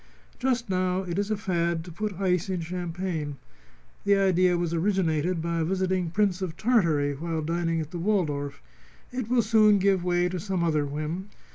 Just now it is a fad to put ice in champagne. The idea was originated by a visiting Prince of Tartary while dining at the Waldorf. It will soon give way to some other whim.